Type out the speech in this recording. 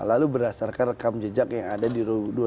lalu berdasarkan rekam jejak yang ada di dua ribu dua puluh